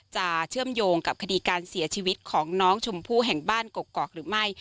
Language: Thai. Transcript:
เชื่อมโยงกับคดีการเสียชีวิตของน้องชมพู่แห่งบ้านกกอกหรือไม่